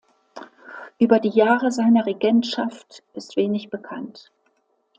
Über die Jahre seiner Regentschaft ist wenig bekannt.